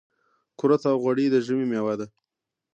کورت او غوړي د ژمي مېوه ده .